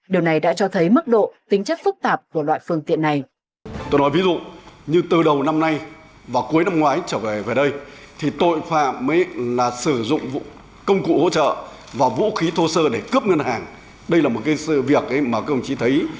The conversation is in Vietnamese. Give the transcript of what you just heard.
điều này đã cho thấy mức độ tính chất phức tạp của loại phương tiện này